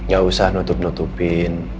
gak usah nutup nutupin